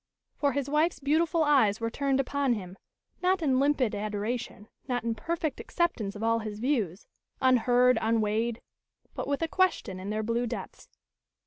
For his wife's beautiful eyes were turned upon him, not in limpid adoration, not in perfect acceptance of all his views, unheard, unweighed; but with a question in their blue depths.